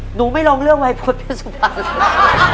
หนูไม่ลองเรื่องวัยพลสุภาษา